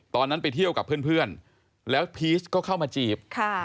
ตอนนั้นไปเที่ยวกับเพื่อนแล้วพีชก็เข้ามาจีบ